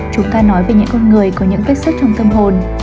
chúng ta nói về những con người có những quyết sức trong tâm hồn